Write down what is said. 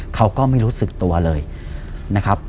เขาก็ไม่รู้สึกตัวเลยนะครับ